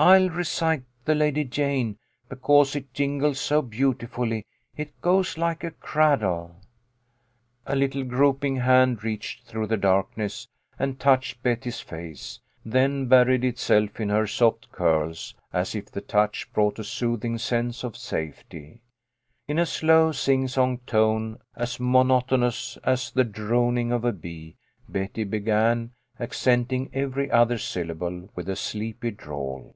I'll recite the Lady Jane, because it jingles so beautifully. It goes like a cradle." A little groping hand reached through the dark ness and touched Betty's face, then buried itself in her soft curls, as if the touch brought a soothing sense of safety. In a slow, sing song tone, as monotonous as the droning of a bee, Betty be gan, accenting every other syllable with a sleepy drawl.